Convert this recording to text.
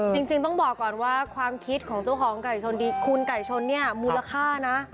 จริงต้องบอกก่อนว่าความคิดของเจ้าของไก่ชนดีคุณไก่ชนเนี่ยมูลค่านะ